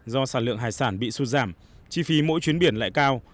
do sản lượng hải sản bị sụt giảm chi phí mỗi chuyến biển lại cao